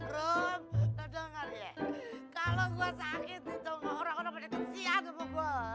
rom lo denger ya kalau gua sakit dong orang orang pada kejadian